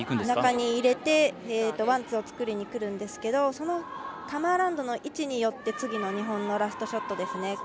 中に入れてワン、ツーを作りにいくんですけどそのカム・アラウンドの位置によって、次の日本のラストショットですね。